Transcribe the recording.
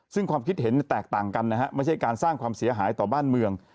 ซึ่งความคิดเห็นแตกต่างกันนะฮะไม่ใช่การสร้างความเสียหายต่อบ้านเมือง